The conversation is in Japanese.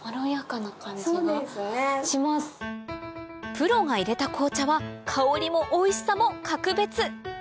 プロが入れた紅茶は香りもおいしさも格別！